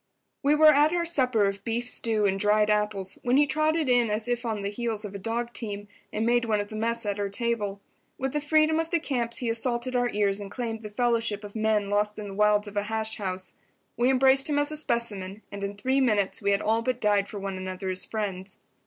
We were at our supper of beef stew and dried apples when he trotted in as if on the heels of a dog team, and made one of the mess at our table. With the freedom of the camps he assaulted our ears and claimed the fellowship of men lost in the wilds of a hash house. We embraced him as a specimen, and in three minutes we had all but died for one another as friends.